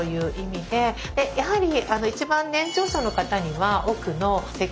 でやはり一番年長者の方には奥の席。